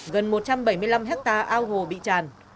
gần một trăm bảy mươi năm hectare ao hồ bị tràn